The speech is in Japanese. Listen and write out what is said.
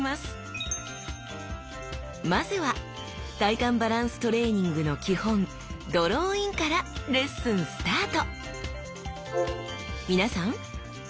まずは体幹バランストレーニングの基本「ドローイン」からレッスンスタート！